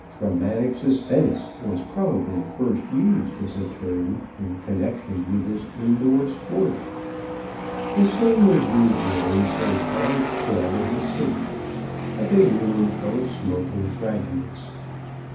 "Dramatic suspense" was probably first used as a term in connection with this indoor sport. The scene is usually some college club in the city a big room full of smoke and graduates.